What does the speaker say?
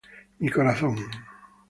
Mi corazón.